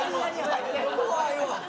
怖いわ。